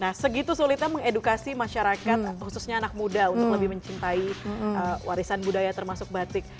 nah segitu sulitnya mengedukasi masyarakat khususnya anak muda untuk lebih mencintai warisan budaya termasuk batik